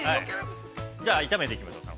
じゃあ炒めていきましょうか。